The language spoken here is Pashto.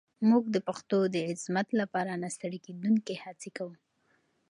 موږ د پښتو د عظمت لپاره نه ستړې کېدونکې هڅې کوو.